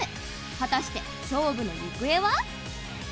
果たして勝負の行方は？